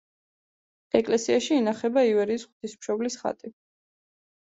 ეკლესიაში ინახება ივერიის ღვთისმშობლის ხატი.